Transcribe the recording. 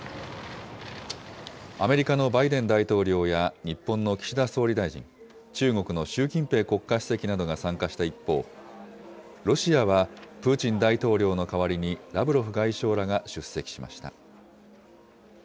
アメリカのバイデン大統領や日本の岸田総理大臣、中国の習近平国家主席などが参加した一方、ロシアはプーチン大統領の代わりにラブロフ外相らが出席しました。